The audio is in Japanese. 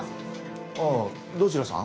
あぁどちらさん？